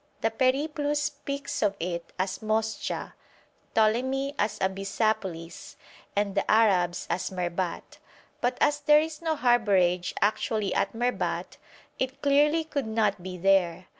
The 'Periplus' speaks of it as Moscha, Ptolemy as Abyssapolis, and the Arabs as Merbat; but as there is no harbourage actually at Merbat, it clearly could not be there.